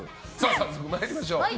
早速、参りましょう。